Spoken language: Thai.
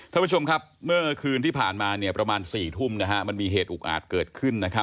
ท่านผู้ชมครับเมื่อคืนที่ผ่านมาประมาณ๔ทุ่มมันมีเหตุอุกอาจเกิดขึ้น